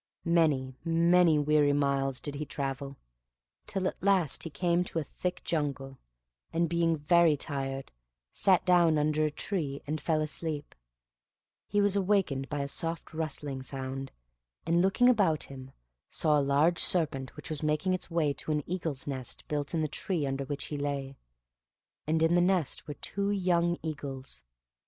Many, many weary miles did he travel, till at last he came to a thick jungle; and, being very tired, sat down under a tree and fell asleep. He was awakened by a soft rustling sound, and looking about him, saw a large serpent which was making its way to an eagle's nest built in the tree under which he lay, and in the nest were two young eagles.